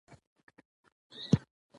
ښه خلک تل لږ او وخت يې کم وي،